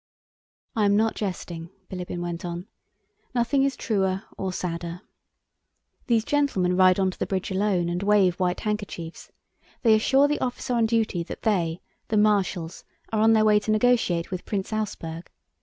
"I am not jesting," Bilíbin went on. "Nothing is truer or sadder. These gentlemen ride onto the bridge alone and wave white handkerchiefs; they assure the officer on duty that they, the marshals, are on their way to negotiate with Prince Auersperg.